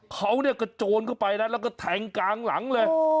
เขาเนี่ยกระโจนเข้าไปนะแล้วก็แทงกลางหลังเลย